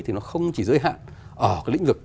thì nó không chỉ giới hạn ở cái lĩnh vực